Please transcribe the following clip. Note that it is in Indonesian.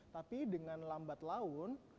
tapi dengan lambat laun